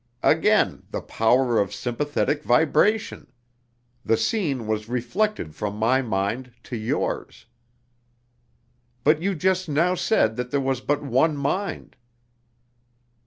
"Again the power of sympathetic vibration. The scene was reflected from my mind to yours." "But you just now said there was but one mind."